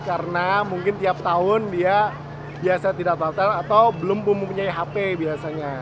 karena mungkin tiap tahun dia biasa tidak daftar atau belum mempunyai hp biasanya